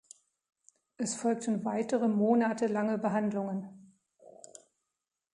Es folgten weitere monatelange Behandlungen.